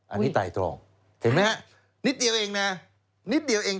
อันนี้ไต่ตรอกเห็นไหมฮะนิดเดียวเองนะนิดเดียวเอง